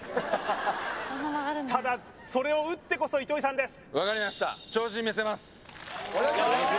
ただそれを打ってこそ糸井さんです